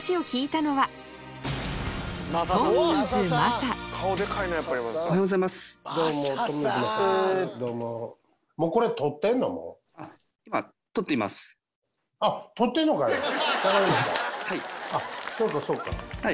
そうかそうか。